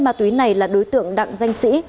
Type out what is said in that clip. ma túy này là đối tượng đặng giang sĩ